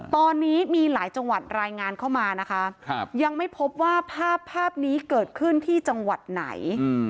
ตอนนี้มีหลายจังหวัดรายงานเข้ามานะคะยังไม่พบว่าภาพภาพนี้เกิดขึ้นที่จังหวัดไหน